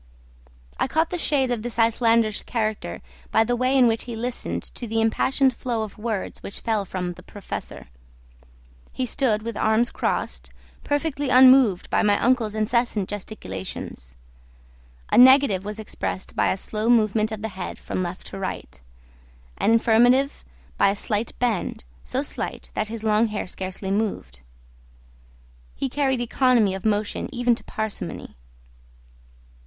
I caught the shades of this Icelander's character by the way in which he listened to the impassioned flow of words which fell from the Professor. He stood with arms crossed, perfectly unmoved by my uncle's incessant gesticulations. A negative was expressed by a slow movement of the head from left to right, an affirmative by a slight bend, so slight that his long hair scarcely moved. He carried economy of motion even to parsimony.